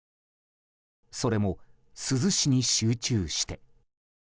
それも、珠洲市に集中して。